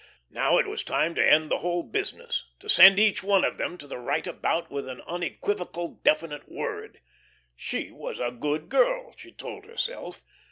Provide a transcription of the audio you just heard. Now it was time to end the whole business, to send each one of them to the right about with an unequivocal definite word. She was a good girl, she told herself.